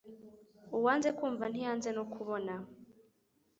UWANZE kumva ntiyanze no kubona.